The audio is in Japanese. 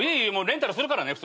レンタルするからね普通に。